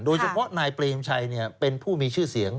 โดยเฉพาะนายเปรมชัยเป็นผู้มีชื่อเสียง